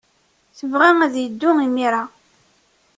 Tebɣa ad yeddu imir-a.